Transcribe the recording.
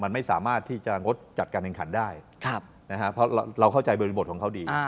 มันไม่สามารถที่จะงดจัดการแข่งขันได้เพราะเราเข้าใจบริบทของเขาดี